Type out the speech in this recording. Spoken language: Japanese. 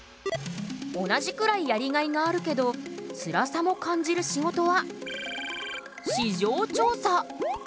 同じくらいやりがいがあるけどつらさも感じる仕事は市場調査。